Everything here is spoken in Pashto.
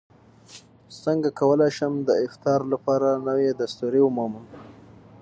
څنګه کولی شم د افتار لپاره نوې دستورې ومومم